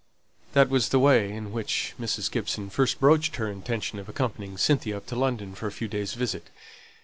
That was the way in which Mrs. Gibson first broached her intention of accompanying Cynthia up to London for a few days' visit.